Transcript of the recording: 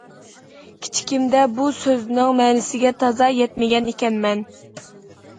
كىچىكىمدە بۇ سۆزنىڭ مەنىسىگە تازا يەتمىگەن ئىكەنمەن.